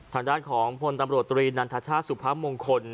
ทางด้านของพลตำรวจตรีนันทชาติสุพมงคล